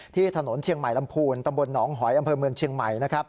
ที่ถนนเชียงใหม่ลำพูนตำบลหนองหอยอำเภอเมืองเชียงใหม่